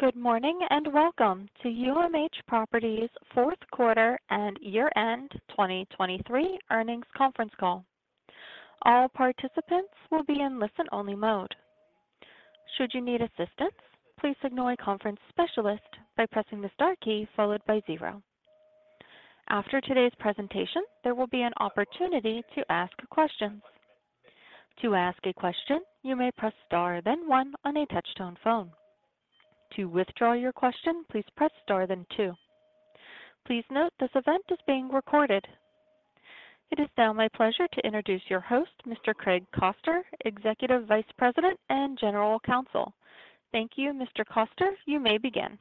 Good morning and welcome to UMH Properties' Fourth Quarter and Year-End 2023 earnings conference call. All participants will be in listen-only mode. Should you need assistance, please contact conference specialists by pressing the star key followed by zero. After today's presentation, there will be an opportunity to ask questions. To ask a question, you may press star then one on a touch-tone phone. To withdraw your question, please press star then two. Please note this event is being recorded. It is now my pleasure to introduce your host, Mr. Craig Koster, Executive Vice President and General Counsel. Thank you, Mr. Koster. You may begin.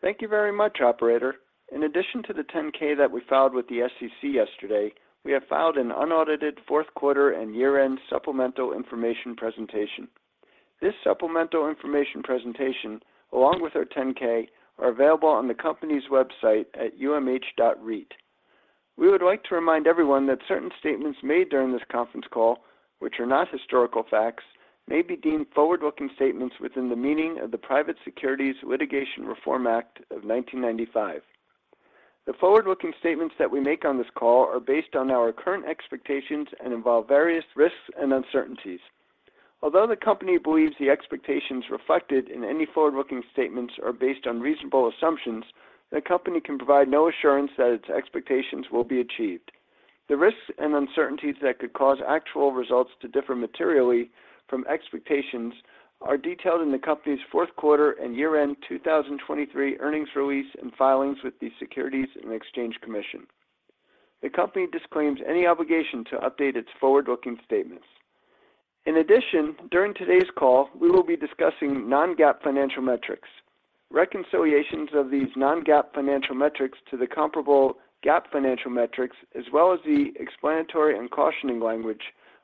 Thank you very much, Operator. In addition to the 10-K that we filed with the SEC yesterday, we have filed an unaudited fourth quarter and year-end supplemental information presentation. This supplemental information presentation, along with our 10-K, are available on the company's website at umhreit.com. We would like to remind everyone that certain statements made during this conference call, which are not historical facts, may be deemed forward-looking statements within the meaning of the Private Securities Litigation Reform Act of 1995. The forward-looking statements that we make on this call are based on our current expectations and involve various risks and uncertainties. Although the company believes the expectations reflected in any forward-looking statements are based on reasonable assumptions, the company can provide no assurance that its expectations will be achieved. The risks and uncertainties that could cause actual results to differ materially from expectations are detailed in the company's fourth quarter and year-end 2023 earnings release and filings with the Securities and Exchange Commission. The company disclaims any obligation to update its forward-looking statements. In addition, during today's call, we will be discussing non-GAAP financial metrics. Reconciliations of these non-GAAP financial metrics to the comparable GAAP financial metrics, as well as the explanatory and cautioning language,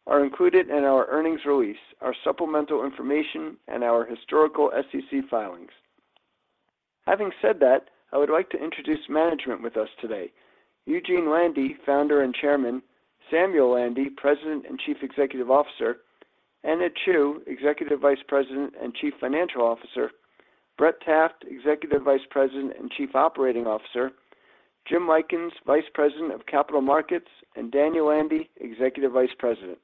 are included in our earnings release, our supplemental information, and our historical SEC filings. Having said that, I would like to introduce management with us today: Eugene Landy, founder and chairman; Samuel Landy, President and Chief Executive Officer; Anna Chew, Executive Vice President and Chief Financial Officer; Brett Taft, Executive Vice President and Chief Operating Officer; Jim Lykins, Vice President of Capital Markets; and Daniel Landy, Executive Vice President.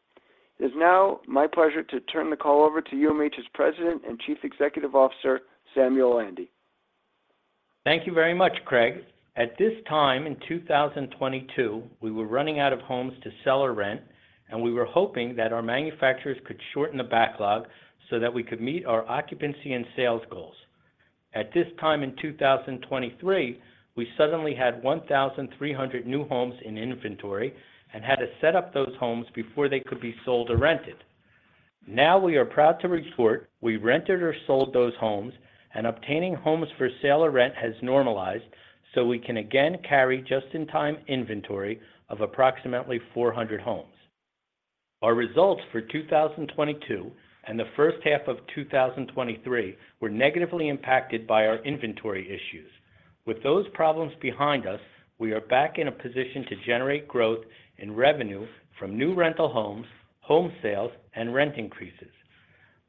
It is now my pleasure to turn the call over to UMH's President and Chief Executive Officer, Samuel Landy. Thank you very much, Craig. At this time in 2022, we were running out of homes to sell or rent, and we were hoping that our manufacturers could shorten the backlog so that we could meet our occupancy and sales goals. At this time in 2023, we suddenly had 1,300 new homes in inventory and had to set up those homes before they could be sold or rented. Now we are proud to report we rented or sold those homes, and obtaining homes for sale or rent has normalized so we can again carry just-in-time inventory of approximately 400 homes. Our results for 2022 and the first half of 2023 were negatively impacted by our inventory issues. With those problems behind us, we are back in a position to generate growth in revenue from new rental homes, home sales, and rent increases.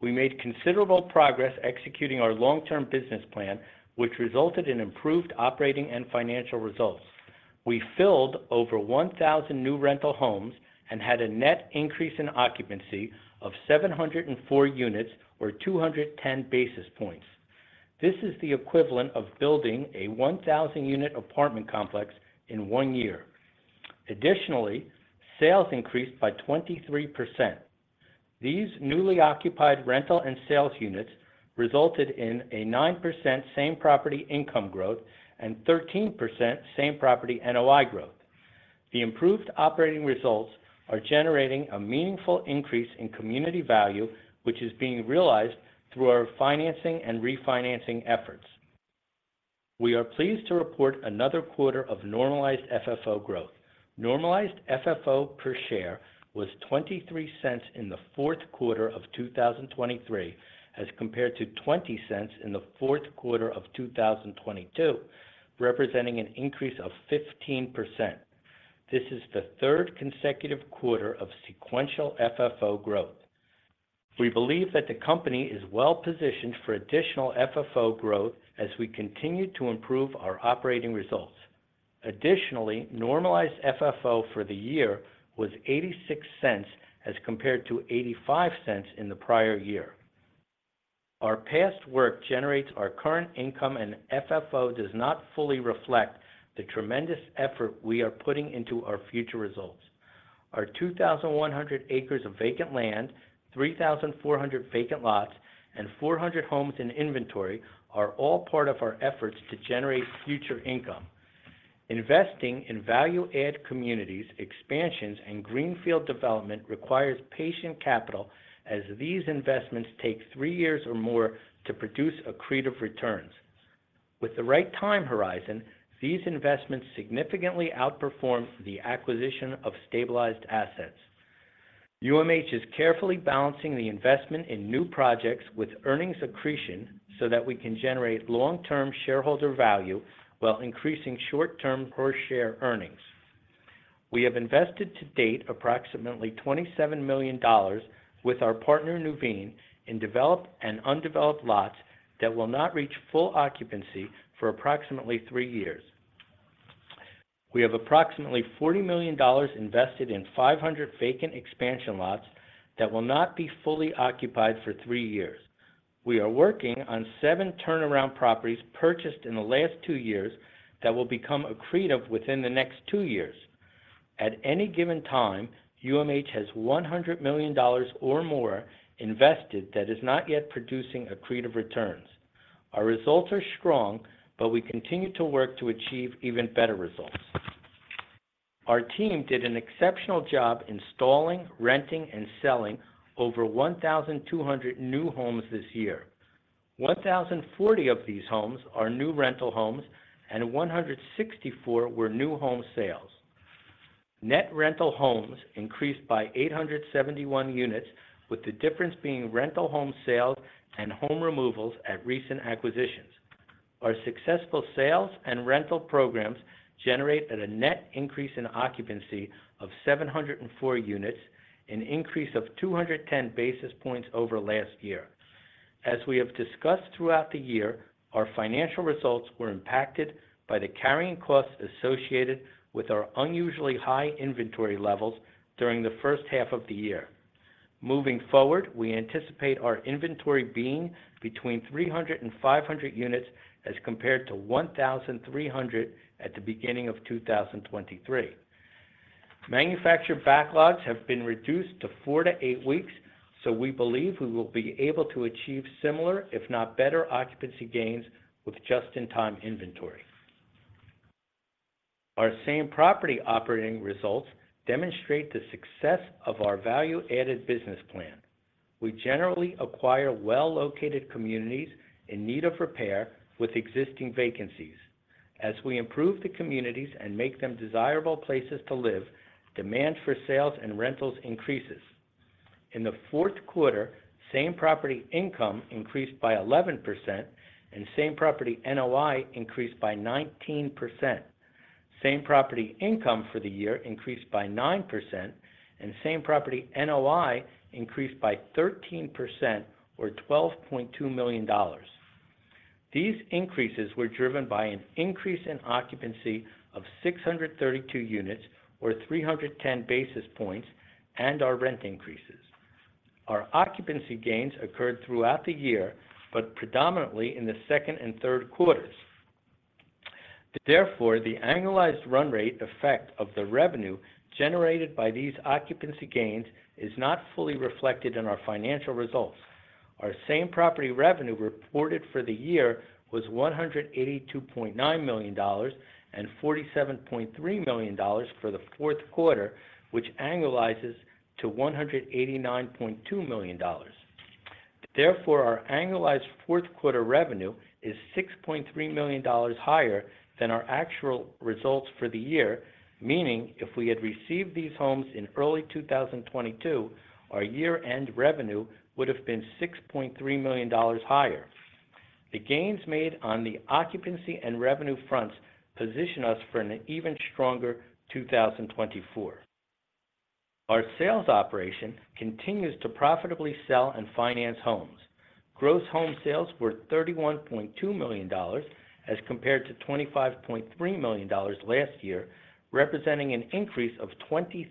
We made considerable progress executing our long-term business plan, which resulted in improved operating and financial results. We filled over 1,000 new rental homes and had a net increase in occupancy of 704 units or 210 basis points. This is the equivalent of building a 1,000-unit apartment complex in one year. Additionally, sales increased by 23%. These newly occupied rental and sales units resulted in a 9% Same-Property income growth and 13% Same-Property NOI growth. The improved operating results are generating a meaningful increase in community value, which is being realized through our financing and refinancing efforts. We are pleased to report another quarter of normalized FFO growth. Normalized FFO per share was $0.23 in the fourth quarter of 2023 as compared to $0.20 in the fourth quarter of 2022, representing an increase of 15%. This is the third consecutive quarter of sequential FFO growth. We believe that the company is well-positioned for additional FFO growth as we continue to improve our operating results. Additionally, normalized FFO for the year was $0.86 as compared to $0.85 in the prior year. Our past work generates our current income, and FFO does not fully reflect the tremendous effort we are putting into our future results. Our 2,100 acres of vacant land, 3,400 vacant lots, and 400 homes in inventory are all part of our efforts to generate future income. Investing in value-add communities, expansions, and greenfield development requires patient capital as these investments take three years or more to produce accretive returns. With the right time horizon, these investments significantly outperform the acquisition of stabilized assets. UMH is carefully balancing the investment in new projects with earnings accretion so that we can generate long-term shareholder value while increasing short-term per-share earnings. We have invested to date approximately $27 million with our partner, Nuveen, in developed and undeveloped lots that will not reach full occupancy for approximately three years. We have approximately $40 million invested in 500 vacant expansion lots that will not be fully occupied for three years. We are working on seven turnaround properties purchased in the last two years that will become accretive within the next two years. At any given time, UMH has $100 million or more invested that is not yet producing accretive returns. Our results are strong, but we continue to work to achieve even better results. Our team did an exceptional job installing, renting, and selling over 1,200 new homes this year. 1,040 of these homes are new rental homes, and 164 were new home sales. Net rental homes increased by 871 units, with the difference being rental home sales and home removals at recent acquisitions. Our successful sales and rental programs generate a net increase in occupancy of 704 units, an increase of 210 basis points over last year. As we have discussed throughout the year, our financial results were impacted by the carrying costs associated with our unusually high inventory levels during the first half of the year. Moving forward, we anticipate our inventory being between 300 and 500 units as compared to 1,300 at the beginning of 2023. Manufacturer backlogs have been reduced to 4-8 weeks, so we believe we will be able to achieve similar, if not better, occupancy gains with just-in-time inventory. Our Same-Property operating results demonstrate the success of our value-added business plan. We generally acquire well-located communities in need of repair with existing vacancies. As we improve the communities and make them desirable places to live, demand for sales and rentals increases. In the fourth quarter, Same-Property income increased by 11%, and Same-Property NOI increased by 19%. Same-Property income for the year increased by 9%, and Same-Property NOI increased by 13% or $12.2 million. These increases were driven by an increase in occupancy of 632 units or 310 basis points and our rent increases. Our occupancy gains occurred throughout the year but predominantly in the second and third quarters. Therefore, the annualized run-rate effect of the revenue generated by these occupancy gains is not fully reflected in our financial results. Our Same-Property revenue reported for the year was $182.9 million and $47.3 million for the fourth quarter, which annualizes to $189.2 million. Therefore, our annualized fourth-quarter revenue is $6.3 million higher than our actual results for the year, meaning if we had received these homes in early 2022, our year-end revenue would have been $6.3 million higher. The gains made on the occupancy and revenue fronts position us for an even stronger 2024. Our sales operation continues to profitably sell and finance homes. Gross home sales were $31.2 million as compared to $25.3 million last year, representing an increase of 23%.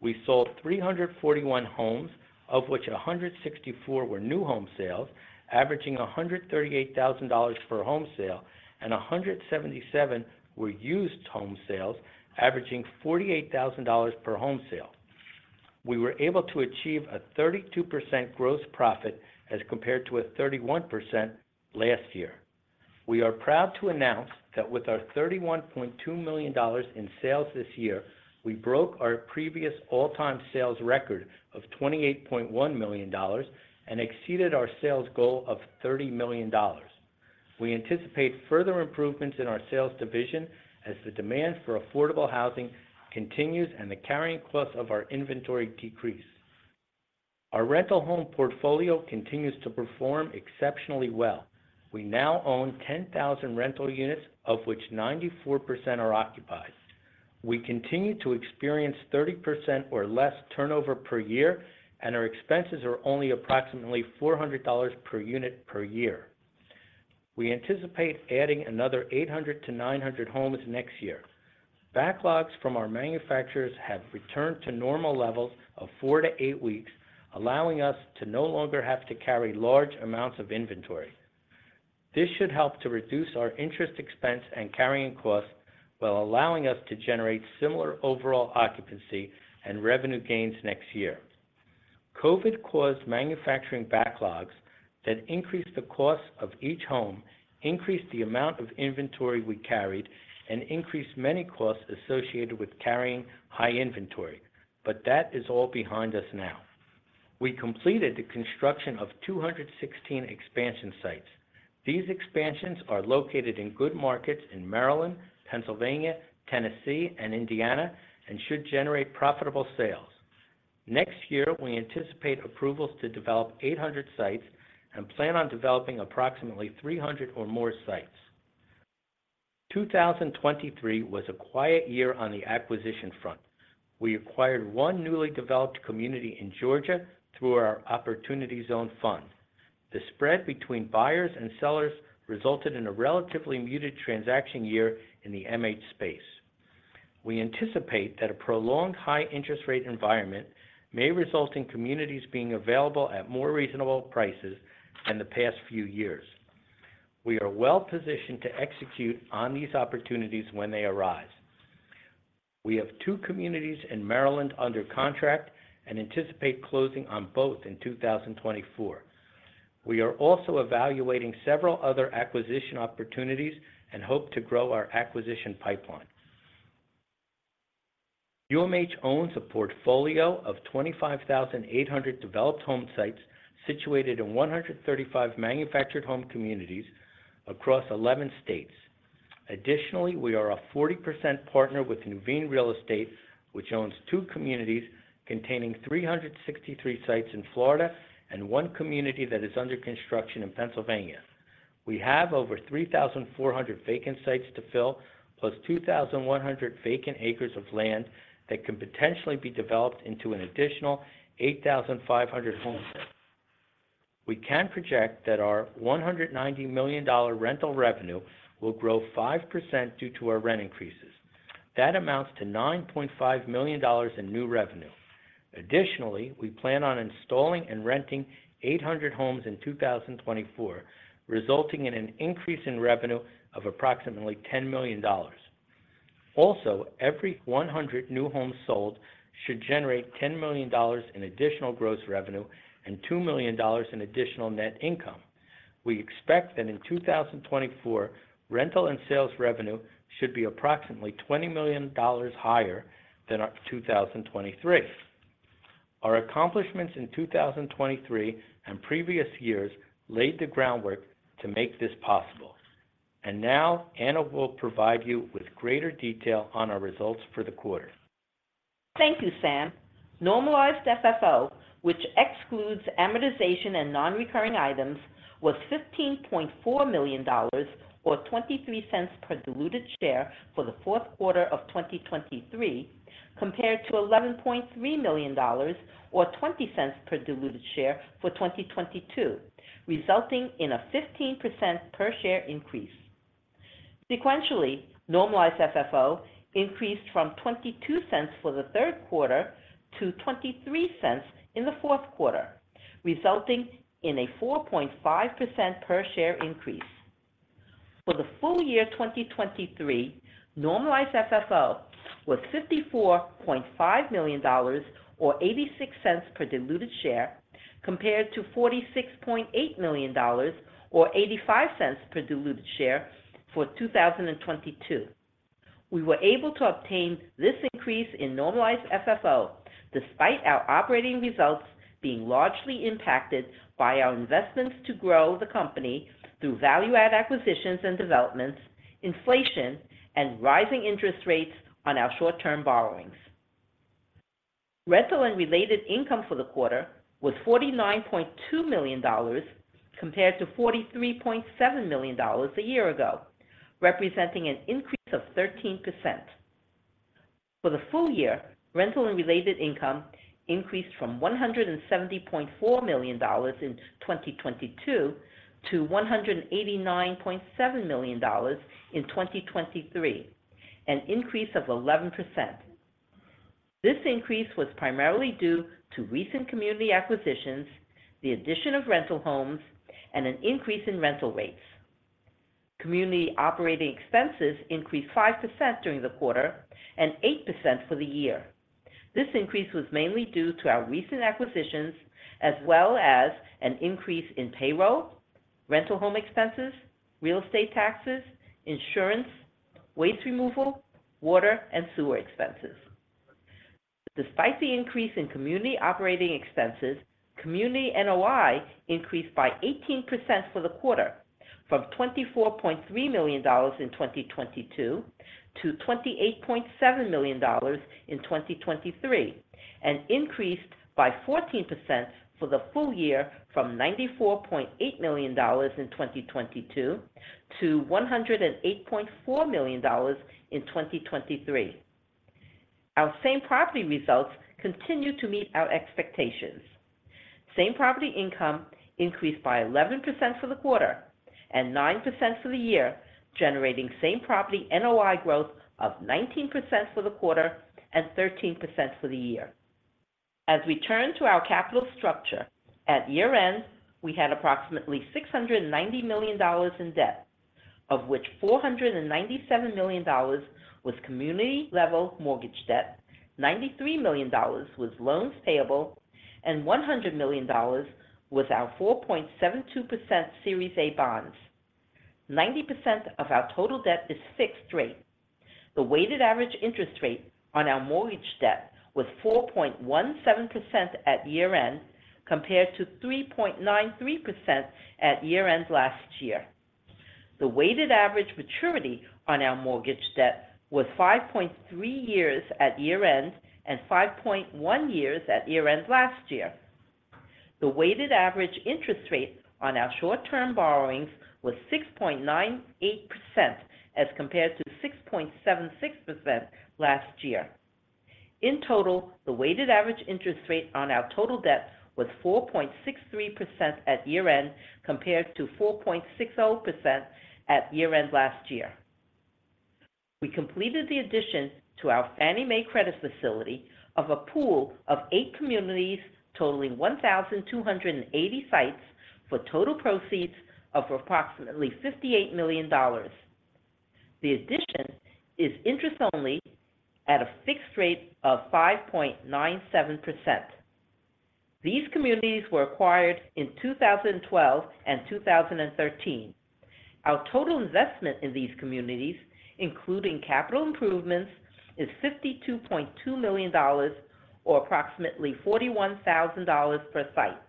We sold 341 homes, of which 164 were new home sales, averaging $138,000 per home sale, and 177 were used home sales, averaging $48,000 per home sale. We were able to achieve a 32% gross profit as compared to a 31% last year. We are proud to announce that with our $31.2 million in sales this year, we broke our previous all-time sales record of $28.1 million and exceeded our sales goal of $30 million. We anticipate further improvements in our sales division as the demand for affordable housing continues and the carrying costs of our inventory decrease. Our rental home portfolio continues to perform exceptionally well. We now own 10,000 rental units, of which 94% are occupied. We continue to experience 30% or less turnover per year, and our expenses are only approximately $400 per unit per year. We anticipate adding another 800-900 homes next year. Backlogs from our manufacturers have returned to normal levels of four to eight weeks, allowing us to no longer have to carry large amounts of inventory. This should help to reduce our interest expense and carrying costs while allowing us to generate similar overall occupancy and revenue gains next year. COVID caused manufacturing backlogs that increased the costs of each home, increased the amount of inventory we carried, and increased many costs associated with carrying high inventory, but that is all behind us now. We completed the construction of 216 expansion sites. These expansions are located in good markets in Maryland, Pennsylvania, Tennessee, and Indiana and should generate profitable sales. Next year, we anticipate approvals to develop 800 sites and plan on developing approximately 300 or more sites. 2023 was a quiet year on the acquisition front. We acquired one newly developed community in Georgia through our Opportunity Zone Fund. The spread between buyers and sellers resulted in a relatively muted transaction year in the MH space. We anticipate that a prolonged high-interest-rate environment may result in communities being available at more reasonable prices than the past few years. We are well-positioned to execute on these opportunities when they arise. We have two communities in Maryland under contract and anticipate closing on both in 2024. We are also evaluating several other acquisition opportunities and hope to grow our acquisition pipeline. UMH owns a portfolio of 25,800 developed home sites situated in 135 manufactured home communities across 11 states. Additionally, we are a 40% partner with Nuveen Real Estate, which owns two communities containing 363 sites in Florida and one community that is under construction in Pennsylvania. We have over 3,400 vacant sites to fill, +2,100 vacant acres of land that can potentially be developed into an additional 8,500 home sites. We can project that our $190 million rental revenue will grow 5% due to our rent increases. That amounts to $9.5 million in new revenue. Additionally, we plan on installing and renting 800 homes in 2024, resulting in an increase in revenue of approximately $10 million. Also, every 100 new homes sold should generate $10 million in additional gross revenue and $2 million in additional net income. We expect that in 2024, rental and sales revenue should be approximately $20 million higher than 2023. Our accomplishments in 2023 and previous years laid the groundwork to make this possible, and now Anna will provide you with greater detail on our results for the quarter. Thank you, Sam. Normalized FFO, which excludes amortization and non-recurring items, was $15.4 million or $0.23 per diluted share for the fourth quarter of 2023 compared to $11.3 million or $0.20 per diluted share for 2022, resulting in a 15% per-share increase. Sequentially, normalized FFO increased from $0.22 for the third quarter to $0.23 in the fourth quarter, resulting in a 4.5% per-share increase. For the full year 2023, normalized FFO was $54.5 million or $0.86 per diluted share compared to $46.8 million or $0.85 per diluted share for 2022. We were able to obtain this increase in normalized FFO despite our operating results being largely impacted by our investments to grow the company through value-add acquisitions and developments, inflation, and rising interest rates on our short-term borrowings. Rental and related income for the quarter was $49.2 million compared to $43.7 million a year ago, representing an increase of 13%. For the full year, rental and related income increased from $170.4 million in 2022 to $189.7 million in 2023, an increase of 11%. This increase was primarily due to recent community acquisitions, the addition of rental homes, and an increase in rental rates. Community operating expenses increased 5% during the quarter and 8% for the year. This increase was mainly due to our recent acquisitions as well as an increase in payroll, rental home expenses, real estate taxes, insurance, waste removal, water, and sewer expenses. Despite the increase in community operating expenses, community NOI increased by 18% for the quarter from $24.3 million in 2022 to $28.7 million in 2023 and increased by 14% for the full year from $94.8 million in 2022 to $108.4 million in 2023. Our Same-Property results continue to meet our expectations. Same-Property income increased by 11% for the quarter and 9% for the year, generating Same-Property NOI growth of 19% for the quarter and 13% for the year. As we turn to our capital structure, at year-end, we had approximately $690 million in debt, of which $497 million was community-level mortgage debt, $93 million was loans payable, and $100 million was our 4.72% Series A Bonds. 90% of our total debt is fixed rate. The weighted average interest rate on our mortgage debt was 4.17% at year-end compared to 3.93% at year-end last year. The weighted average maturity on our mortgage debt was 5.3 years at year-end and 5.1 years at year-end last year. The weighted average interest rate on our short-term borrowings was 6.98% as compared to 6.76% last year. In total, the weighted average interest rate on our total debt was 4.63% at year-end compared to 4.60% at year-end last year. We completed the addition to our Fannie Mae Credit Facility of a pool of eight communities totaling 1,280 sites for total proceeds of approximately $58 million. The addition is interest-only at a fixed rate of 5.97%. These communities were acquired in 2012 and 2013. Our total investment in these communities, including capital improvements, is $52.2 million or approximately $41,000 per site.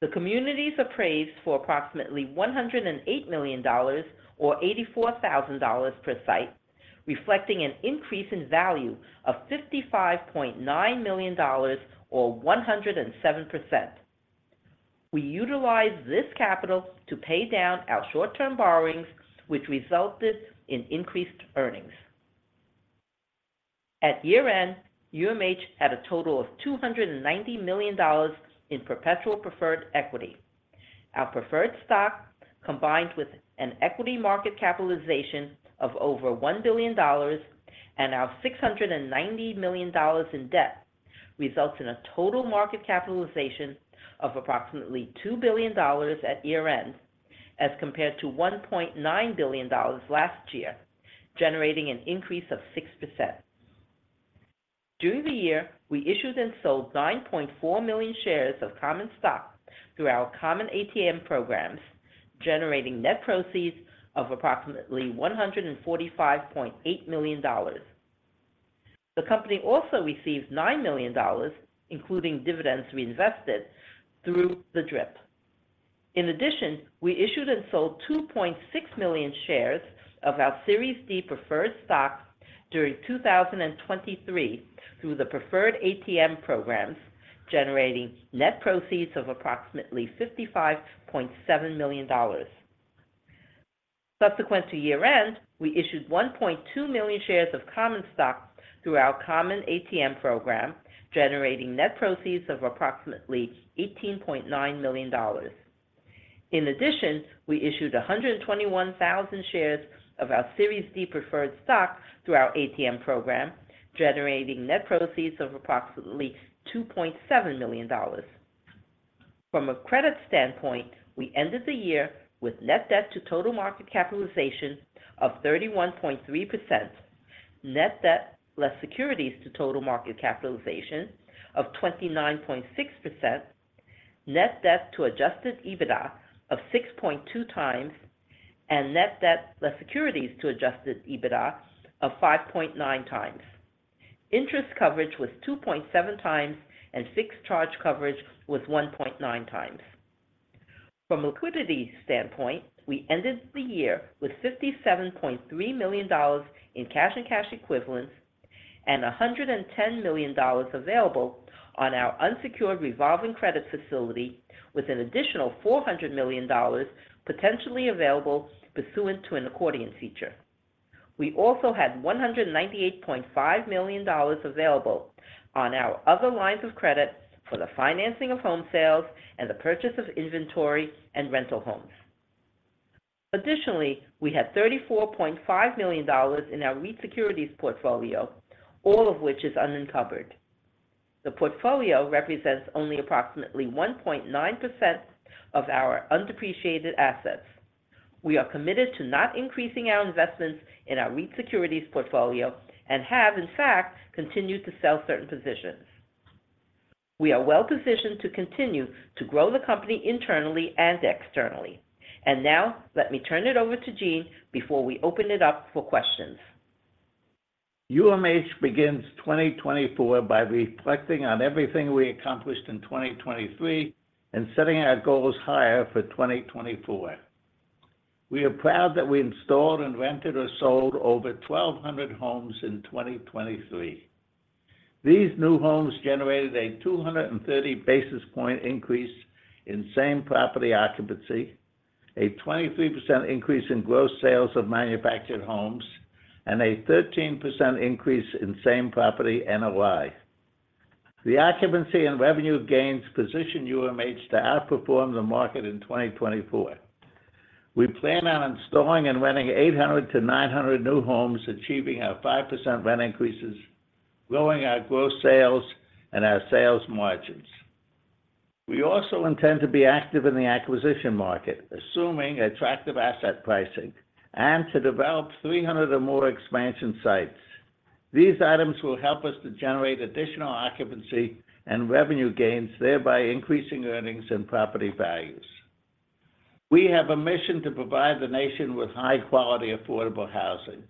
The communities appraised for approximately $108 million or $84,000 per site, reflecting an increase in value of $55.9 million or 107%. We utilized this capital to pay down our short-term borrowings, which resulted in increased earnings. At year-end, UMH had a total of $290 million in perpetual preferred equity. Our preferred stock, combined with an equity market capitalization of over $1 billion and our $690 million in debt, results in a total market capitalization of approximately $2 billion at year-end as compared to $1.9 billion last year, generating an increase of 6%. During the year, we issued and sold 9.4 million shares of common stock through our common ATM programs, generating net proceeds of approximately $145.8 million. The company also received $9 million, including dividends reinvested, through the DRIP. In addition, we issued and sold 2.6 million shares of our Series D Preferred Stock during 2023 through the preferred ATM programs, generating net proceeds of approximately $55.7 million. Subsequent to year-end, we issued 1.2 million shares of common stock through our common ATM program, generating net proceeds of approximately $18.9 million. In addition, we issued 121,000 shares of our Series D Preferred Stock through our ATM program, generating net proceeds of approximately $2.7 million. From a credit standpoint, we ended the year with net debt to total market capitalization of 31.3%, net debt less securities to total market capitalization of 29.6%, net debt to adjusted EBITDA of 6.2x, and net debt less securities to adjusted EBITDA of 5.9x. Interest coverage was 2.7x, and fixed charge coverage was 1.9x. From a liquidity standpoint, we ended the year with $57.3 million in cash and cash equivalents and $110 million available on our unsecured revolving credit facility, with an additional $400 million potentially available pursuant to an accordion feature. We also had $198.5 million available on our other lines of credit for the financing of home sales and the purchase of inventory and rental homes. Additionally, we had $34.5 million in our REIT securities portfolio, all of which is unencumbered. The portfolio represents only approximately 1.9% of our undepreciated assets. We are committed to not increasing our investments in our REIT securities portfolio and have, in fact, continued to sell certain positions. We are well-positioned to continue to grow the company internally and externally. Now, let me turn it over to Gene before we open it up for questions. UMH begins 2024 by reflecting on everything we accomplished in 2023 and setting our goals higher for 2024. We are proud that we installed, rented, or sold over 1,200 homes in 2023. These new homes generated a 230 basis point increase in Same-Property occupancy, a 23% increase in gross sales of manufactured homes, and a 13% increase in Same-Property NOI. The occupancy and revenue gains position UMH to outperform the market in 2024. We plan on installing and renting 800-900 new homes, achieving our 5% rent increases, growing our gross sales, and our sales margins. We also intend to be active in the acquisition market, assuming attractive asset pricing, and to develop 300 or more expansion sites. These items will help us to generate additional occupancy and revenue gains, thereby increasing earnings and property values. We have a mission to provide the nation with high-quality, affordable housing.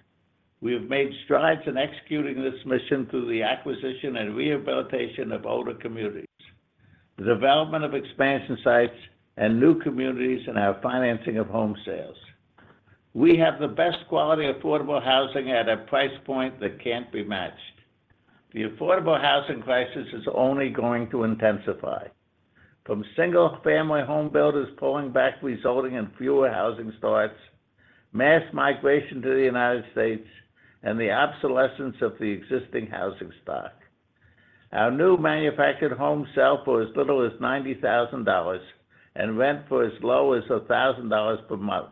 We have made strides in executing this mission through the acquisition and rehabilitation of older communities, the development of expansion sites and new communities, and our financing of home sales. We have the best-quality, affordable housing at a price point that can't be matched. The affordable housing crisis is only going to intensify from single-family home builders pulling back, resulting in fewer housing starts, mass migration to the United States, and the obsolescence of the existing housing stock. Our new manufactured homes sell for as little as $90,000 and rent for as low as $1,000 per month.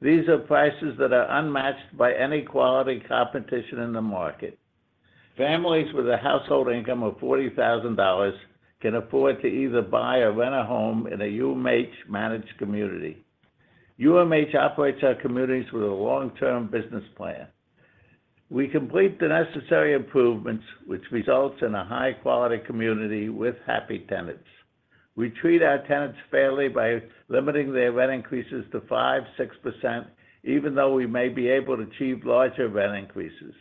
These are prices that are unmatched by any quality competition in the market. Families with a household income of $40,000 can afford to either buy or rent a home in a UMH-managed community. UMH operates our communities with a long-term business plan. We complete the necessary improvements, which results in a high-quality community with happy tenants. We treat our tenants fairly by limiting their rent increases to 5%, 6%, even though we may be able to achieve larger rent increases.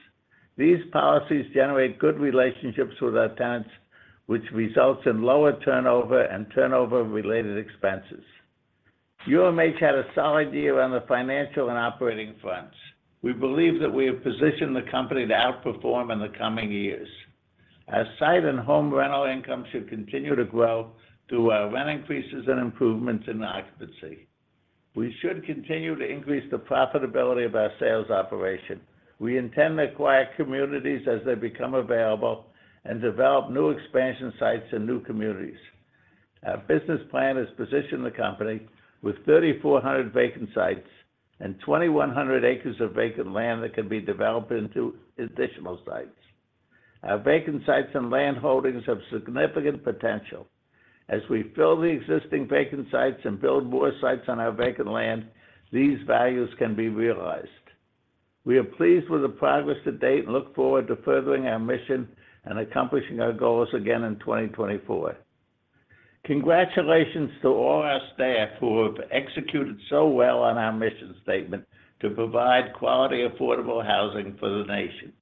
These policies generate good relationships with our tenants, which results in lower turnover and turnover-related expenses. UMH had a solid year on the financial and operating fronts. We believe that we have positioned the company to outperform in the coming years. Our site and home rental income should continue to grow through our rent increases and improvements in occupancy. We should continue to increase the profitability of our sales operation. We intend to acquire communities as they become available and develop new expansion sites in new communities. Our business plan has positioned the company with 3,400 vacant sites and 2,100 acres of vacant land that can be developed into additional sites. Our vacant sites and land holdings have significant potential. As we fill the existing vacant sites and build more sites on our vacant land, these values can be realized. We are pleased with the progress to date and look forward to furthering our mission and accomplishing our goals again in 2024. Congratulations to all our staff who have executed so well on our mission statement to provide quality, affordable housing for the nation.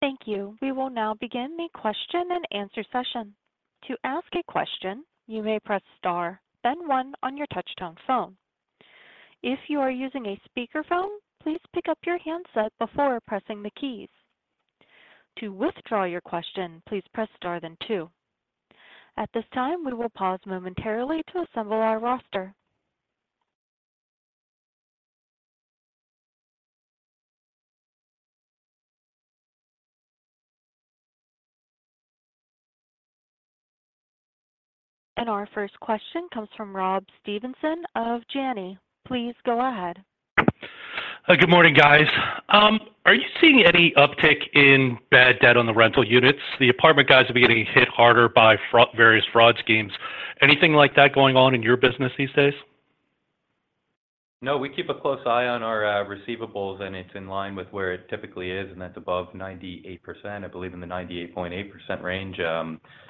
Thank you. We will now begin the question-and-answer session. To ask a question, you may press star, then one on your touch-tone phone. If you are using a speakerphone, please pick up your handset before pressing the keys. To withdraw your question, please press star then two. At this time, we will pause momentarily to assemble our roster. Our first question comes from Rob Stevenson of Janney. Please go ahead. Good morning, guys. Are you seeing any uptick in bad debt on the rental units? The apartment guys have been getting hit harder by various fraud schemes. Anything like that going on in your business these days? No, we keep a close eye on our receivables, and it's in line with where it typically is, and that's above 98%. I believe in the 98.8% range.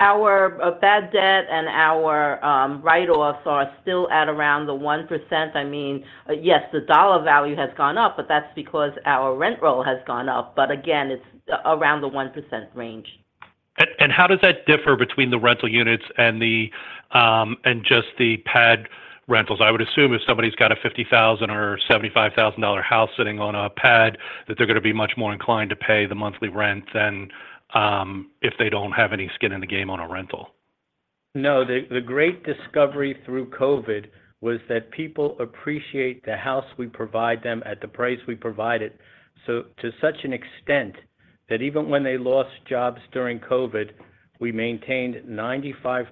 Our bad debt and our write-offs are still at around the 1%. I mean, yes, the dollar value has gone up, but that's because our rent roll has gone up. But again, it's around the 1% range. How does that differ between the rental units and just the pad rentals? I would assume if somebody's got a $50,000 or $75,000 house sitting on a pad, that they're going to be much more inclined to pay the monthly rent than if they don't have any skin in the game on a rental. No, the great discovery through COVID was that people appreciate the house we provide them at the price we provide it to such an extent that even when they lost jobs during COVID, we maintained 95%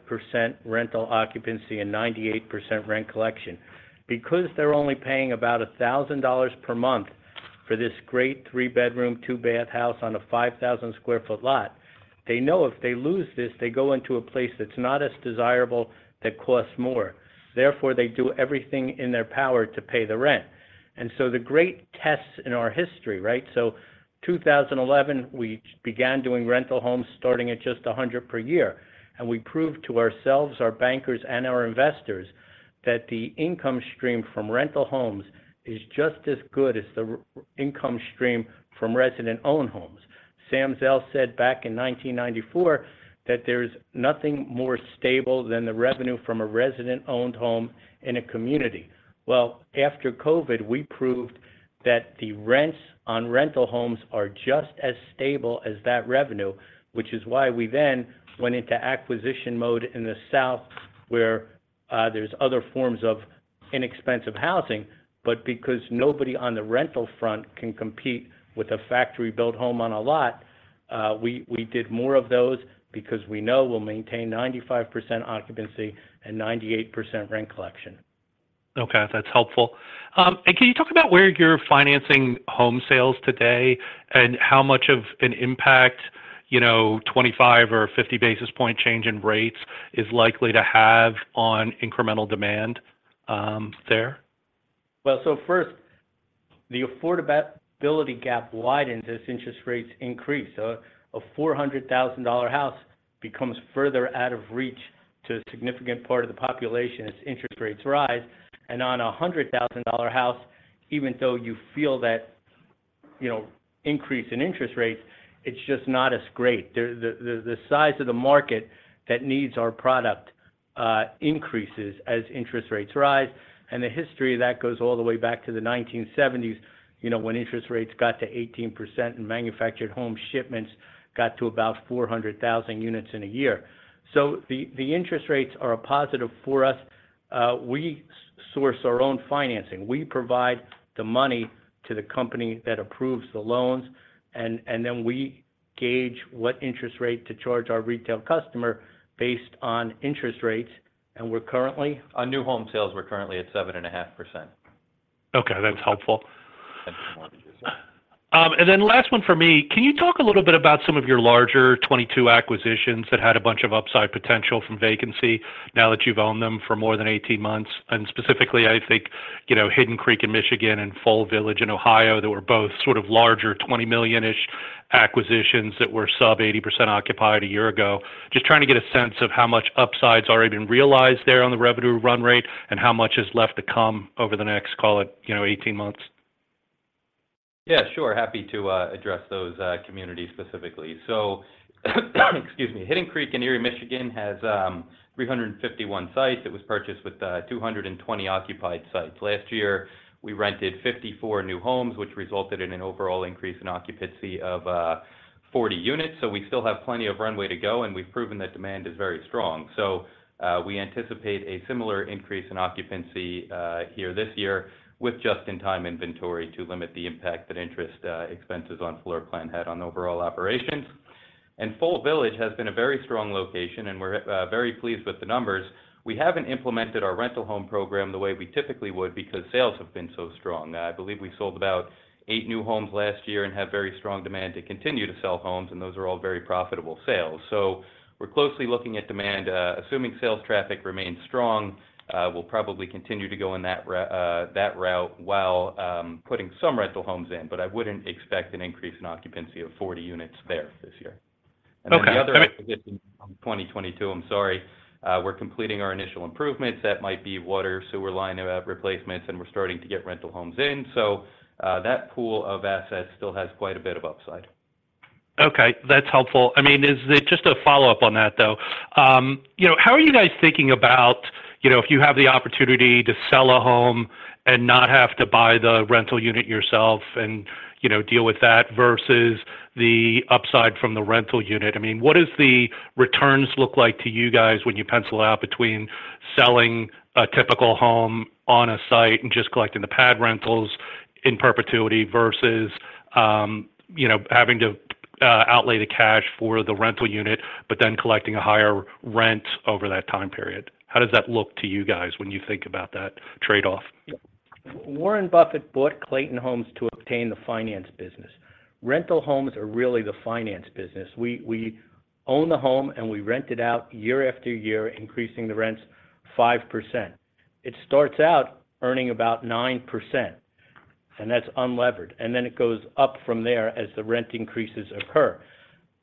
rental occupancy and 98% rent collection. Because they're only paying about $1,000 per month for this great three-bedroom, two-bath house on a 5,000 sq ft lot, they know if they lose this, they go into a place that's not as desirable, that costs more. Therefore, they do everything in their power to pay the rent. And so the great tests in our history, right? So 2011, we began doing rental homes, starting at just 100 per year. And we proved to ourselves, our bankers, and our investors, that the income stream from rental homes is just as good as the income stream from resident-owned homes. Sam Zell said back in 1994 that there's nothing more stable than the revenue from a resident-owned home in a community. Well, after COVID, we proved that the rents on rental homes are just as stable as that revenue, which is why we then went into acquisition mode in the South where there's other forms of inexpensive housing. But because nobody on the rental front can compete with a factory-built home on a lot, we did more of those because we know we'll maintain 95% occupancy and 98% rent collection. Okay, that's helpful. Can you talk about where you're financing home sales today and how much of an impact 25 or 50 basis point change in rates is likely to have on incremental demand there? Well, so first, the affordability gap widens as interest rates increase. A $400,000 house becomes further out of reach to a significant part of the population as interest rates rise. On a $100,000 house, even though you feel that increase in interest rates, it's just not as great. The size of the market that needs our product increases as interest rates rise. The history of that goes all the way back to the 1970s when interest rates got to 18% and manufactured home shipments got to about 400,000 units in a year. The interest rates are a positive for us. We source our own financing. We provide the money to the company that approves the loans, and then we gauge what interest rate to charge our retail customer based on interest rates. We're currently. On new home sales, we're currently at 7.5%. Okay, that's helpful. And then last one for me. Can you talk a little bit about some of your larger 2022 acquisitions that had a bunch of upside potential from vacancy now that you've owned them for more than 18 months? And specifically, I think Hidden Creek in Michigan and Fohl Village in Ohio, that were both sort of larger $20 million-ish acquisitions that were sub-80% occupied a year ago. Just trying to get a sense of how much upside's already been realized there on the revenue run rate and how much is left to come over the next, call it, 18 months. Yeah, sure. Happy to address those communities specifically. So excuse me. Hidden Creek in Erie, Michigan, has 351 sites. It was purchased with 220 occupied sites. Last year, we rented 54 new homes, which resulted in an overall increase in occupancy of 40 units. So we still have plenty of runway to go, and we've proven that demand is very strong. So we anticipate a similar increase in occupancy here this year with just-in-time inventory to limit the impact that interest expenses on floor plan had on overall operations. And Fohl Village has been a very strong location, and we're very pleased with the numbers. We haven't implemented our rental home program the way we typically would because sales have been so strong. I believe we sold about 8 new homes last year and have very strong demand to continue to sell homes, and those are all very profitable sales. So we're closely looking at demand. Assuming sales traffic remains strong, we'll probably continue to go in that route while putting some rental homes in. But I wouldn't expect an increase in occupancy of 40 units there this year. And then the other acquisition in 2022, I'm sorry, we're completing our initial improvements. That might be water, sewer line replacements, and we're starting to get rental homes in. So that pool of assets still has quite a bit of upside. Okay, that's helpful. I mean, just a follow-up on that, though. How are you guys thinking about if you have the opportunity to sell a home and not have to buy the rental unit yourself and deal with that versus the upside from the rental unit? I mean, what do the returns look like to you guys when you pencil it out between selling a typical home on a site and just collecting the pad rentals in perpetuity versus having to outlay the cash for the rental unit but then collecting a higher rent over that time period? How does that look to you guys when you think about that trade-off? Warren Buffett bought Clayton Homes to obtain the finance business. Rental homes are really the finance business. We own the home, and we rent it out year after year, increasing the rents 5%. It starts out earning about 9%, and that's unlevered. And then it goes up from there as the rent increases occur.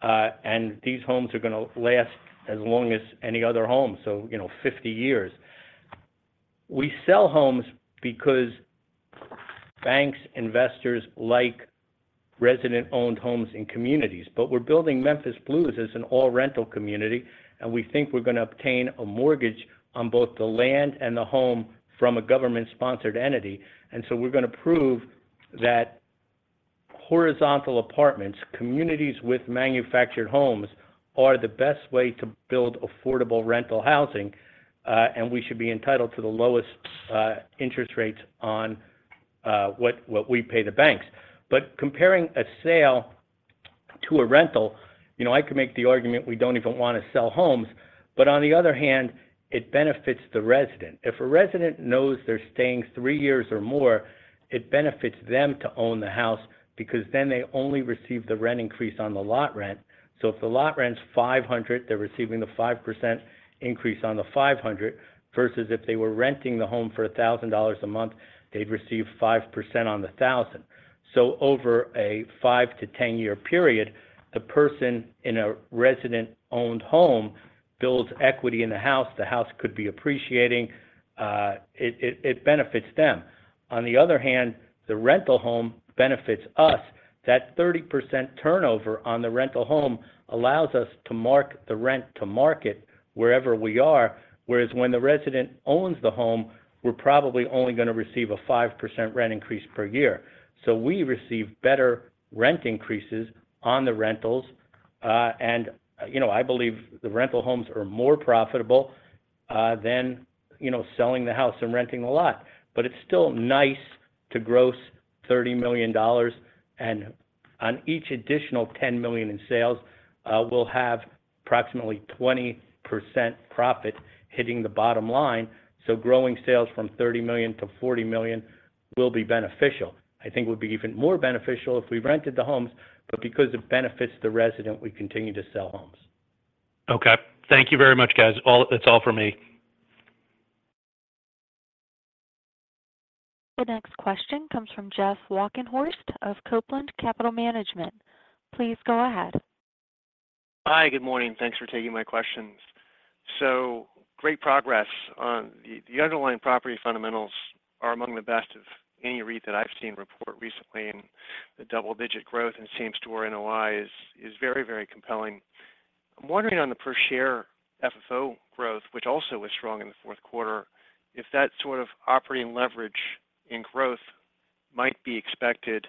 And these homes are going to last as long as any other home, so 50 years. We sell homes because banks, investors like resident-owned homes in communities. But we're building Memphis Blues as an all-rental community, and we think we're going to obtain a mortgage on both the land and the home from a government-sponsored entity. And so we're going to prove that horizontal apartments, communities with manufactured homes, are the best way to build affordable rental housing, and we should be entitled to the lowest interest rates on what we pay the banks. But comparing a sale to a rental, I could make the argument we don't even want to sell homes. But on the other hand, it benefits the resident. If a resident knows they're staying three years or more, it benefits them to own the house because then they only receive the rent increase on the lot rent. So if the lot rent's 500, they're receiving the 5% increase on the 500 versus if they were renting the home for $1,000 a month, they'd receive 5% on the 1,000. So over a five-10 year period, the person in a resident-owned home builds equity in the house. The house could be appreciating. It benefits them. On the other hand, the rental home benefits us. That 30% turnover on the rental home allows us to mark the rent to market wherever we are. Whereas when the resident owns the home, we're probably only going to receive a 5% rent increase per year. So we receive better rent increases on the rentals. And I believe the rental homes are more profitable than selling the house and renting the lot. But it's still nice to gross $30 million. And on each additional $10 million in sales, we'll have approximately 20% profit hitting the bottom line. So growing sales from $30 million-$40 million will be beneficial. I think it would be even more beneficial if we rented the homes. But because it benefits the resident, we continue to sell homes. Okay. Thank you very much, guys. That's all from me. The next question comes from Jeff Walkenhorst of Copeland Capital Management. Please go ahead. Hi, good morning. Thanks for taking my questions. So great progress. The underlying property fundamentals are among the best of any REIT that I've seen report recently. And the double-digit growth in Same-Store NOI is very, very compelling. I'm wondering on the per-share FFO growth, which also was strong in the fourth quarter, if that sort of operating leverage in growth might be expected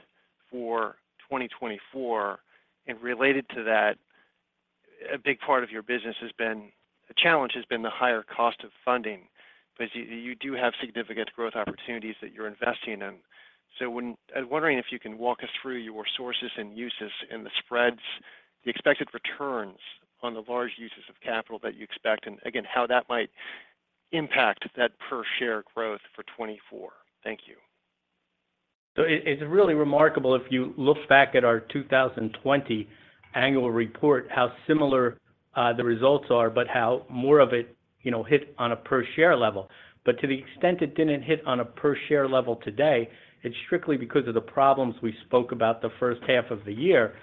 for 2024. And related to that, a big part of your business has been a challenge has been the higher cost of funding because you do have significant growth opportunities that you're investing in. So I'm wondering if you can walk us through your sources and uses and the spreads, the expected returns on the large uses of capital that you expect, and again, how that might impact that per-share growth for 2024. Thank you. So it's really remarkable if you look back at our 2020 annual report, how similar the results are but how more of it hit on a per-share level. But to the extent it didn't hit on a per-share level today, it's strictly because of the problems we spoke about the first half of the year,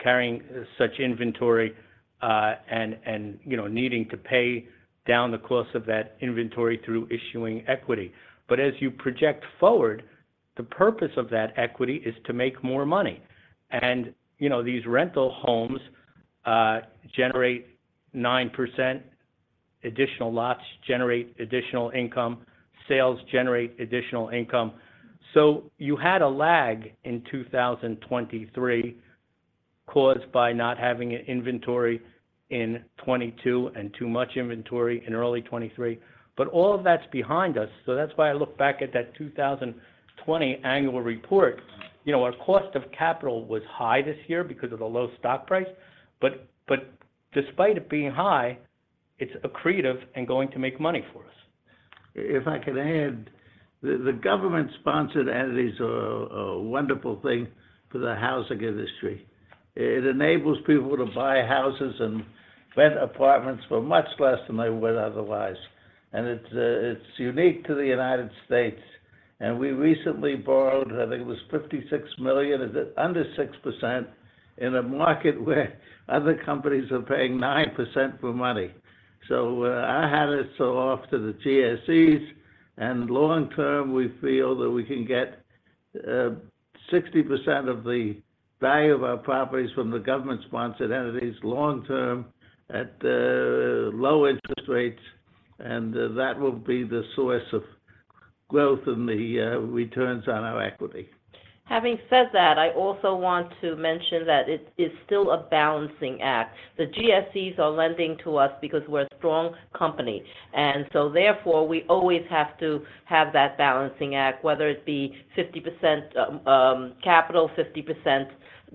carrying such inventory and needing to pay down the cost of that inventory through issuing equity. But as you project forward, the purpose of that equity is to make more money. And these rental homes generate 9%, additional lots generate additional income, sales generate additional income. So you had a lag in 2023 caused by not having inventory in 2022 and too much inventory in early 2023. But all of that's behind us. So that's why I look back at that 2020 annual report. Our cost of capital was high this year because of the low stock price. Despite it being high, it's accretive and going to make money for us. If I can add, the government-sponsored entities are a wonderful thing for the housing industry. It enables people to buy houses and rent apartments for much less than they would otherwise. And it's unique to the United States. And we recently borrowed, I think it was $56 million, is it under 6%, in a market where other companies are paying 9% for money. So I hand it so often to the GSEs. And long term, we feel that we can get 60% of the value of our properties from the government-sponsored entities long term at low interest rates. And that will be the source of growth and the returns on our equity. Having said that, I also want to mention that it is still a balancing act. The GSEs are lending to us because we're a strong company. And so therefore, we always have to have that balancing act, whether it be 50% capital, 50%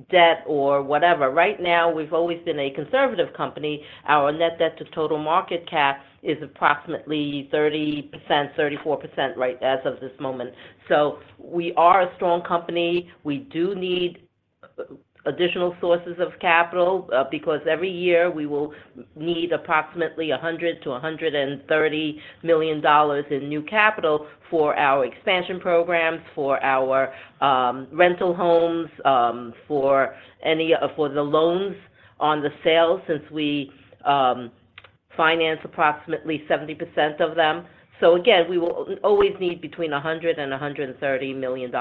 debt, or whatever. Right now, we've always been a conservative company. Our net debt to total market cap is approximately 30%-34% right as of this moment. So we are a strong company. We do need additional sources of capital because every year, we will need approximately $100 million-$130 million in new capital for our expansion programs, for our rental homes, for the loans on the sales since we finance approximately 70% of them. So again, we will always need between $100 million and $130 million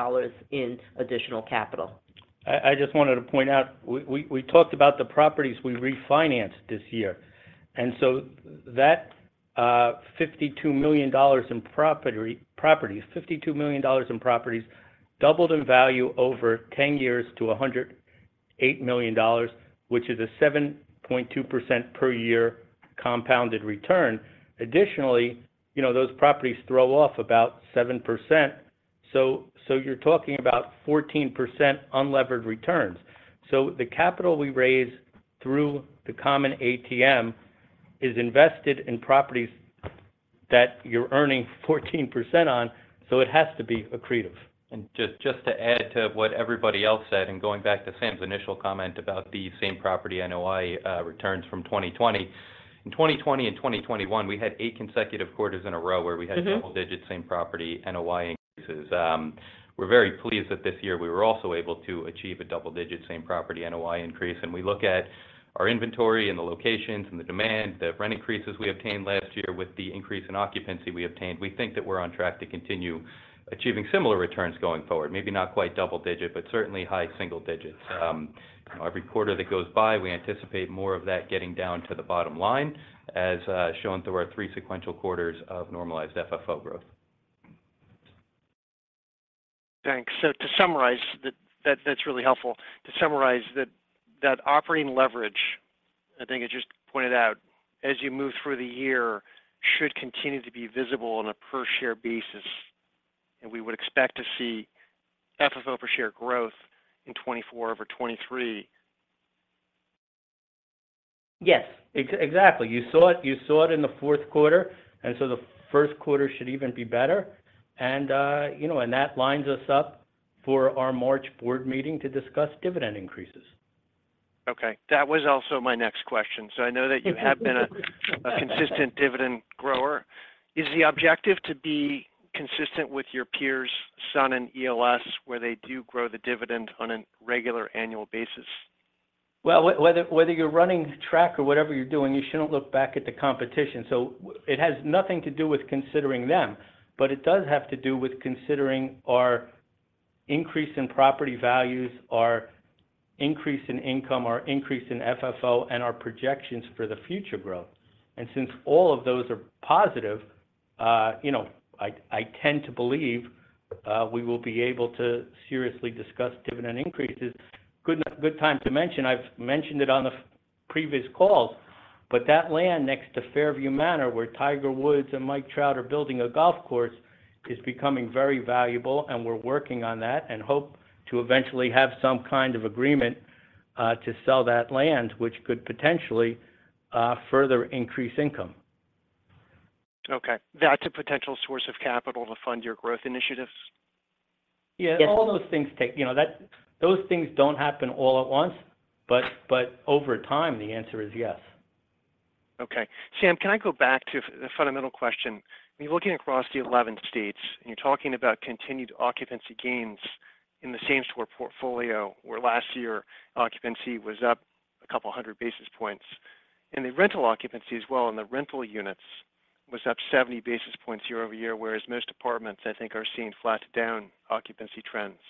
in additional capital. I just wanted to point out, we talked about the properties we refinanced this year. And so that $52 million in properties, $52 million in properties doubled in value over 10 years to $108 million, which is a 7.2% per year compounded return. Additionally, those properties throw off about 7%. So you're talking about 14% unlevered returns. So the capital we raise through the common ATM is invested in properties that you're earning 14% on. So it has to be accretive. Just to add to what everybody else said and going back to Sam's initial comment about the Same-Property NOI returns from 2020, in 2020 and 2021, we had eight consecutive quarters in a row where we had double-digit Same-Property NOI increases. We're very pleased that this year, we were also able to achieve a double-digit Same-Property NOI increase. We look at our inventory and the locations and the demand, the rent increases we obtained last year with the increase in occupancy we obtained, we think that we're on track to continue achieving similar returns going forward, maybe not quite double-digit, but certainly high single-digits. Every quarter that goes by, we anticipate more of that getting down to the bottom line, as shown through our three sequential quarters of normalized FFO growth. Thanks. So to summarize, that's really helpful. To summarize, that operating leverage, I think you just pointed out, as you move through the year, should continue to be visible on a per-share basis. We would expect to see FFO per-share growth in 2024 over 2023. Yes, exactly. You saw it in the fourth quarter. And so the first quarter should even be better. And that lines us up for our March board meeting to discuss dividend increases. Okay. That was also my next question. I know that you have been a consistent dividend grower. Is the objective to be consistent with your peers Sun and ELS, where they do grow the dividend on a regular annual basis? Well, whether you're running track or whatever you're doing, you shouldn't look back at the competition. So it has nothing to do with considering them. But it does have to do with considering our increase in property values, our increase in income, our increase in FFO, and our projections for the future growth. And since all of those are positive, I tend to believe we will be able to seriously discuss dividend increases. Good time to mention. I've mentioned it on the previous calls. But that land next to Fairview Manor, where Tiger Woods and Mike Trout are building a golf course, is becoming very valuable. And we're working on that and hope to eventually have some kind of agreement to sell that land, which could potentially further increase income. Okay. That's a potential source of capital to fund your growth initiatives? Yes. All those things don't happen all at once. But over time, the answer is yes. Okay. Sam, can I go back to the fundamental question? I mean, looking across the 11 states, and you're talking about continued occupancy gains in the Same-Store portfolio, where last year, occupancy was up 200 basis points. And the rental occupancy as well, in the rental units, was up 70 basis points year-over-year, whereas most apartments, I think, are seeing flat down occupancy trends.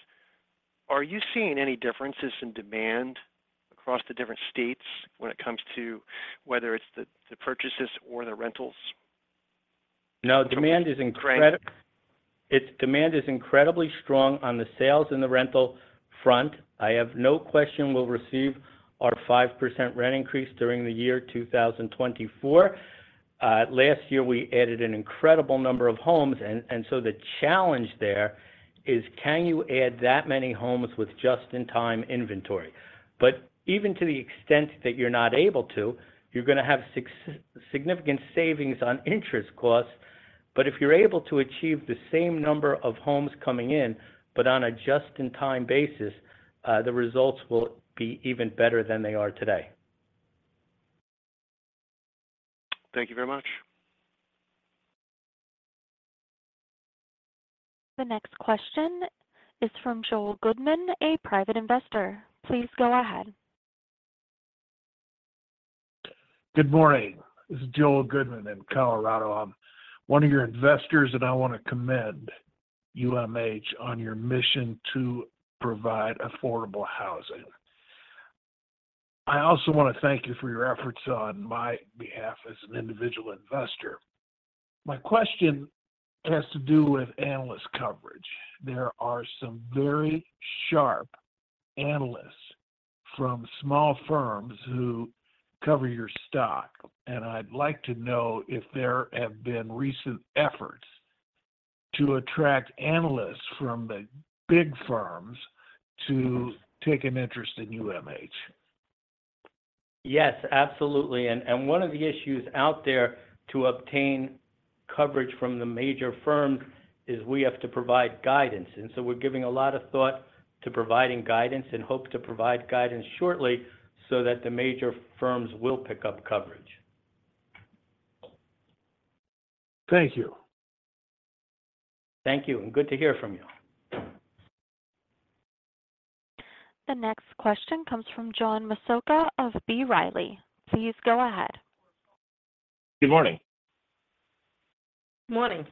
Are you seeing any differences in demand across the different states when it comes to whether it's the purchases or the rentals? No, demand is incredibly strong on the sales and the rental front. I have no question we'll receive our 5% rent increase during the year 2024. Last year, we added an incredible number of homes. And so the challenge there is, can you add that many homes with just-in-time inventory? But even to the extent that you're not able to, you're going to have significant savings on interest costs. But if you're able to achieve the same number of homes coming in, but on a just-in-time basis, the results will be even better than they are today. Thank you very much. The next question is from Joel Goodman, a private investor. Please go ahead. Good morning. This is Joel Goodman in Colorado. I'm one of your investors. I want to commend UMH on your mission to provide affordable housing. I also want to thank you for your efforts on my behalf as an individual investor. My question has to do with analyst coverage. There are some very sharp analysts from small firms who cover your stock. I'd like to know if there have been recent efforts to attract analysts from the big firms to take an interest in UMH. Yes, absolutely. And one of the issues out there to obtain coverage from the major firms is we have to provide guidance. And so we're giving a lot of thought to providing guidance and hope to provide guidance shortly so that the major firms will pick up coverage. Thank you. Thank you. Good to hear from you. The next question comes from John Massocca of B. Riley. Please go ahead. Good morning. Good morning.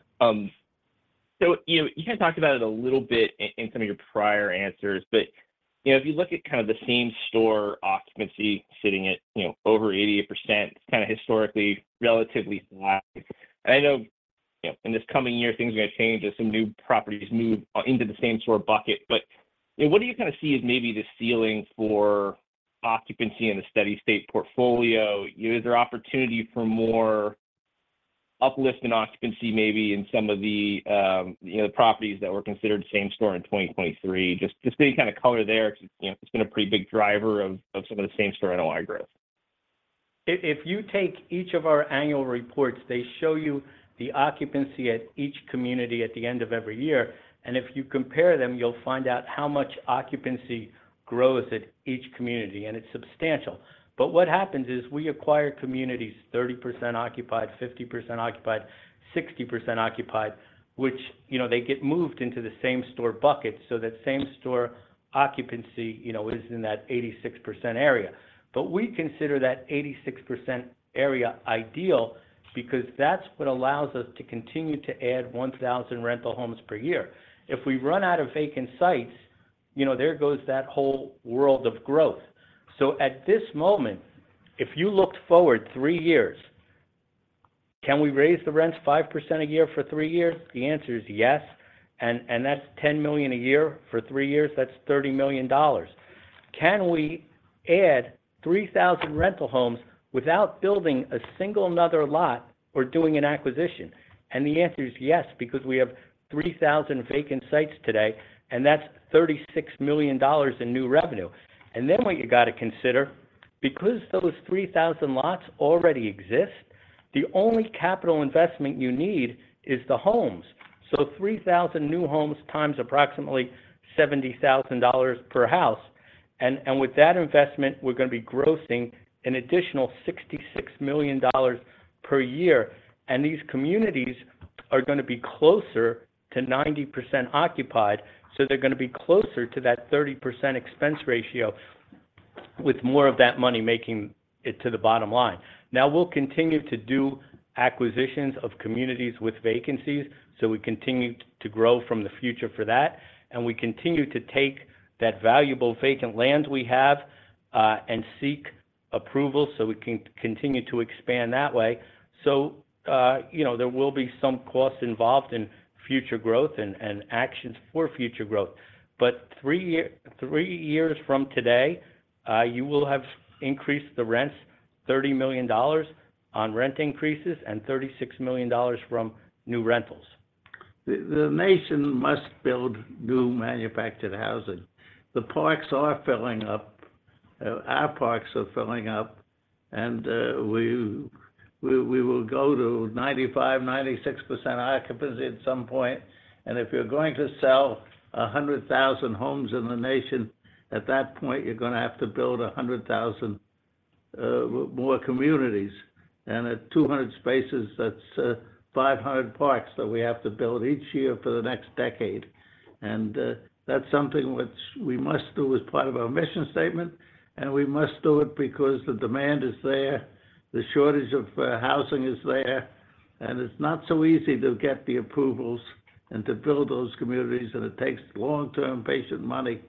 So you kind of talked about it a little bit in some of your prior answers. But if you look at kind of the Same Store occupancy sitting at over 88%, it's kind of historically relatively high. And I know in this coming year, things are going to change as some new properties move into the Same Store bucket. But what do you kind of see as maybe the ceiling for occupancy in the steady-state portfolio? Is there opportunity for more uplift in occupancy maybe in some of the properties that were considered Same Store in 2023? Just getting kind of color there because it's been a pretty big driver of some of the Same Store NOI growth. If you take each of our annual reports, they show you the occupancy at each community at the end of every year. If you compare them, you'll find out how much occupancy grows at each community. It's substantial. What happens is we acquire communities 30% occupied, 50% occupied, 60% occupied, which they get moved into the same-store bucket so that same-store occupancy is in that 86% area. We consider that 86% area ideal because that's what allows us to continue to add 1,000 rental homes per year. If we run out of vacant sites, there goes that whole world of growth. At this moment, if you looked forward three years, can we raise the rents 5% a year for three years? The answer is yes. That's $10 million a year. For three years, that's $30 million. Can we add 3,000 rental homes without building a single another lot or doing an acquisition? The answer is yes because we have 3,000 vacant sites today. That's $36 million in new revenue. Then what you got to consider, because those 3,000 lots already exist, the only capital investment you need is the homes. So 3,000 new homes times approximately $70,000 per house. With that investment, we're going to be grossing an additional $66 million per year. These communities are going to be closer to 90% occupied. They're going to be closer to that 30% expense ratio with more of that money making it to the bottom line. Now, we'll continue to do acquisitions of communities with vacancies. We continue to grow from the future for that. We continue to take that valuable vacant land we have and seek approval so we can continue to expand that way. There will be some costs involved in future growth and actions for future growth. 3 years from today, you will have increased the rents $30 million on rent increases and $36 million from new rentals. The nation must build new manufactured housing. The parks are filling up. Our parks are filling up. We will go to 95%-96% occupancy at some point. If you're going to sell 100,000 homes in the nation, at that point, you're going to have to build 100,000 more communities. At 200 spaces, that's 500 parks that we have to build each year for the next decade. That's something which we must do as part of our mission statement. We must do it because the demand is there. The shortage of housing is there. It's not so easy to get the approvals and to build those communities. It takes long-term, patient money.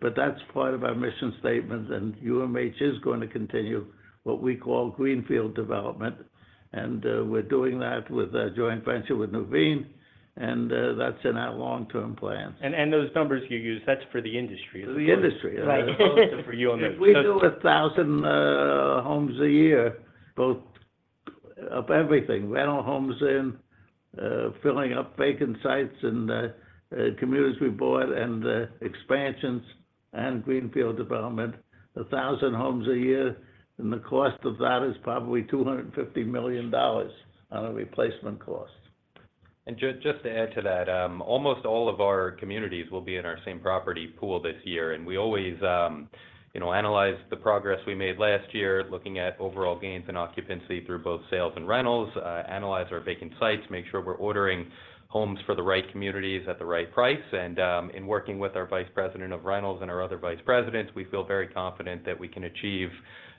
But that's part of our mission statement. UMH is going to continue what we call greenfield development. We're doing that with a joint venture with Nuveen. That's in our long-term plan. Those numbers you use, that's for the industry as well? For the industry. Right. So for you on the. We do 1,000 homes a year, both of everything, rental homes in, filling up vacant sites and communities we bought, and expansions and greenfield development, 1,000 homes a year. The cost of that is probably $250 million on a replacement cost. And just to add to that, almost all of our communities will be in our Same Property pool this year. We always analyze the progress we made last year, looking at overall gains in occupancy through both sales and rentals, analyze our vacant sites, make sure we're ordering homes for the right communities at the right price. In working with our vice president of rentals and our other vice presidents, we feel very confident that we can achieve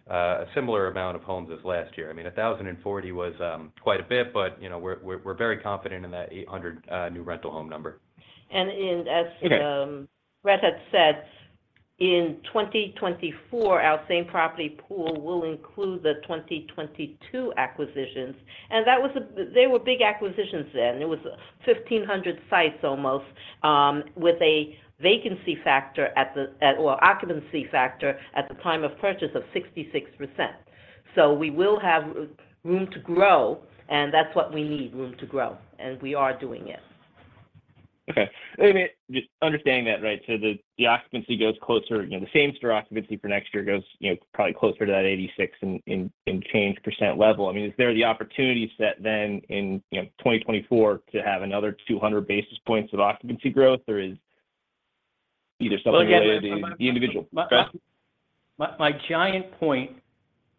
a similar amount of homes as last year. I mean, 1,040 was quite a bit. But we're very confident in that 800 new rental home number. As Brett had said, in 2024, our Same-Property pool will include the 2022 acquisitions. They were big acquisitions then. It was 1,500 sites almost with a vacancy factor or occupancy factor at the time of purchase of 66%. We will have room to grow. That's what we need, room to grow. We are doing it. Okay. I mean, just understanding that right, so the occupancy goes closer the Same Store occupancy for next year goes probably closer to that 86% in change percent level. I mean, is there the opportunity set then in 2024 to have another 200 basis points of occupancy growth? Or is either something related to the individual? My giant point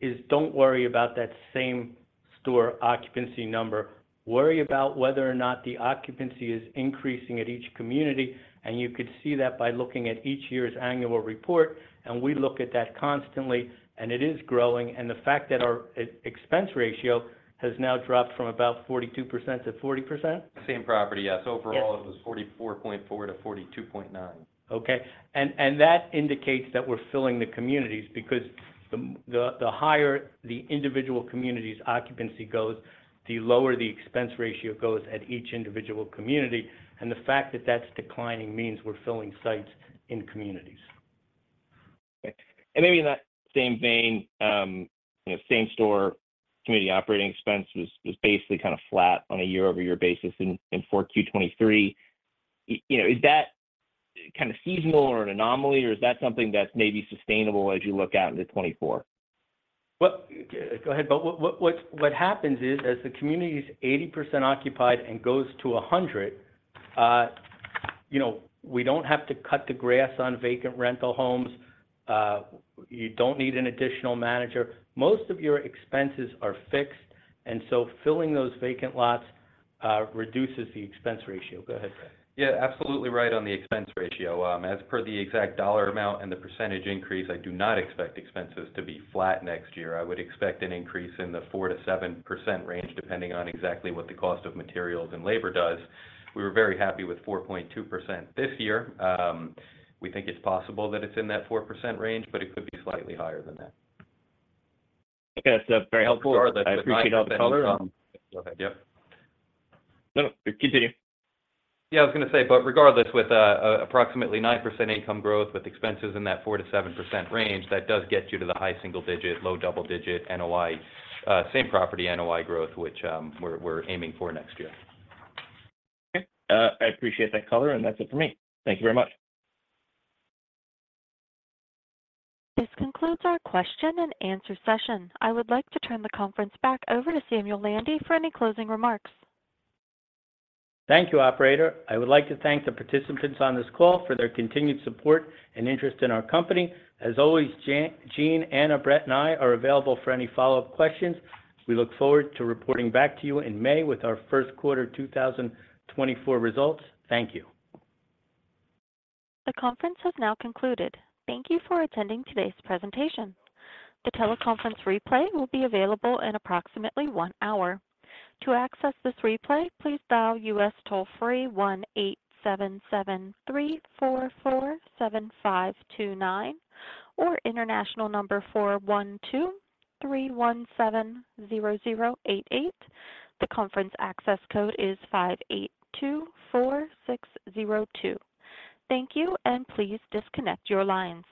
is don't worry about that Same-Store occupancy number. Worry about whether or not the occupancy is increasing at each community. You could see that by looking at each year's annual report. We look at that constantly. It is growing. The fact that our expense ratio has now dropped from about 42%-40%. Same-Property, yes. Overall, it was 44.4-42.9. Okay. That indicates that we're filling the communities because the higher the individual community's occupancy goes, the lower the expense ratio goes at each individual community. The fact that that's declining means we're filling sites in communities. Okay. And maybe in that same vein, Same-Store community operating expense was basically kind of flat on a year-over-year basis in 4Q23. Is that kind of seasonal or an anomaly? Or is that something that's maybe sustainable as you look out into 2024? Well, go ahead. But what happens is as the community's 80% occupied and goes to 100, we don't have to cut the grass on vacant rental homes. You don't need an additional manager. Most of your expenses are fixed. And so filling those vacant lots reduces the expense ratio. Go ahead, Brett. Yeah, absolutely right on the expense ratio. As per the exact dollar amount and the percentage increase, I do not expect expenses to be flat next year. I would expect an increase in the 4%-7% range depending on exactly what the cost of materials and labor does. We were very happy with 4.2% this year. We think it's possible that it's in that 4% range. But it could be slightly higher than that. Okay. That's very helpful. I appreciate all the color. Go ahead. Yep. No, no. Continue. Yeah, I was going to say, but regardless, with approximately 9% income growth with expenses in that 4%-7% range, that does get you to the high single-digit, low double-digit NOI Same-Property NOI growth, which we're aiming for next year. Okay. I appreciate that color. That's it for me. Thank you very much. This concludes our question and answer session. I would like to turn the conference back over to Samuel Landy for any closing remarks. Thank you, operator. I would like to thank the participants on this call for their continued support and interest in our company. As always, Gene, Anna, Brett, and I are available for any follow-up questions. We look forward to reporting back to you in May with our first quarter 2024 results. Thank you. The conference has now concluded. Thank you for attending today's presentation. The teleconference replay will be available in approximately 1 hour. To access this replay, please dial US toll-free 1-877-344-7529 or international number 412-317-0088. The conference access code is 5824602. Thank you. Please disconnect your lines.